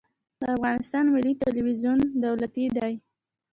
د افغانستان ملي تلویزیون دولتي دی